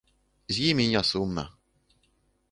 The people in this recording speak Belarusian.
З імі не сумна.